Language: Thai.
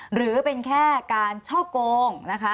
หรือเป็นแค่การช่อโกงนะคะ